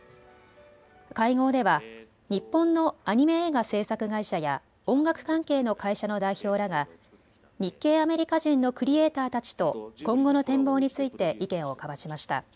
会合では日本のアニメ映画製作会社や音楽関係の会社の代表らが日系アメリカ人のクリエーターたちと今後の展望について意見を交わしました。